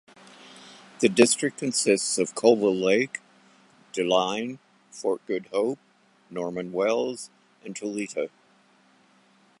The district consists of Colville Lake, Deline, Fort Good Hope, Norman Wells and Tulita.